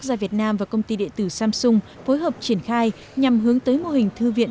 do việt nam và công ty địa tử samsung phối hợp triển khai nhằm hướng tới mô hình thư viện